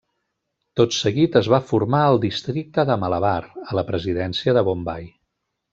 Tot seguit es va formar el districte de Malabar a la presidència de Bombai.